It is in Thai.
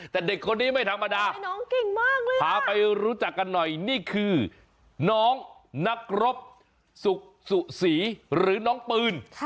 แต่เด็กคนนี้ไม่ธรรมดาพาไปรู้จักกันหน่อยนี่คือน้องนักรบสุศีหรือน้องปืน